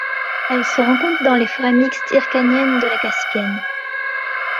Elle se rencontre dans les forêts mixtes hyrcaniennes de la Caspienne.